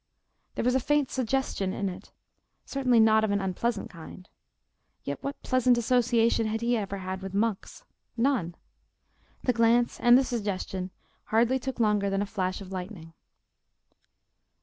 There was a faint suggestion in it, certainly not of an unpleasant kind. Yet what pleasant association had he ever had with monks? None. The glance and the suggestion hardly took longer than a flash of lightning.